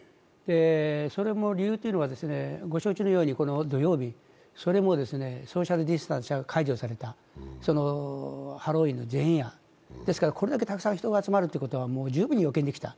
それも理由というのはご承知のようにこの土曜日、それもソーシャルディスタンスが解除されたハロウィーンの前夜、ですから、これだけ人が集まるということはもう十分に予見できた。